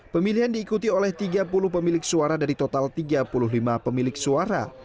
pemilihan diikuti oleh tiga puluh pemilik suara dari total tiga puluh lima pemilik suara